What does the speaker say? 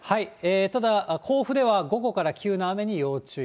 ただ甲府では午後から急な雨に要注意。